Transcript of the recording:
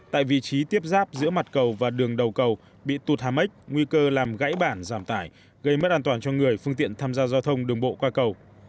tại vị trí tiếp giáp giữa mặt cầu và đường đầu cầu bị tụt hám ếch nguy cơ làm gãy bản giảm tải gây mất an toàn cho người phương tiện tham gia giao thông đường bộ qua cầu